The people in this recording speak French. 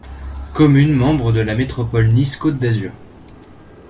Commune membre de la Métropole Nice Côte d'Azur.